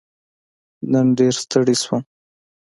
نن ډېر ستړی شوم